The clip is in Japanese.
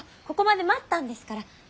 ここまで待ったんですから。